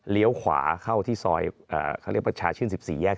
เลี้ยวขวาเข้าที่ซอยเอ่อเขาเรียกประชาชื่น๑๔แยก๓